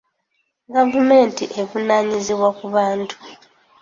Gavumenti evunaanyizibwa ku bantu.